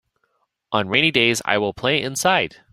On rainy days I will play inside.